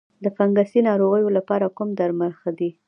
د فنګسي ناروغیو لپاره کوم درمل ښه دي؟